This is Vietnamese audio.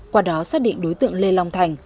qua đó xác định đối tượng lê long thành